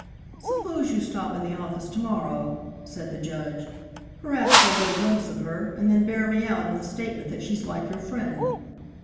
"Suppose you stop in the office to morrow," said the Judge. "Perhaps you'll get a glimpse of her, and then bear me out in the statement that she's like your friend.